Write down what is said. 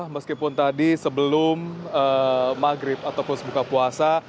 meskipun tadi sebelum maghrib ataupun buka puasa